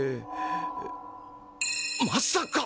まさか！